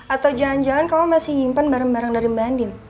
atau jangan jangan kamu masih nyimpen barang barang dari mbak andim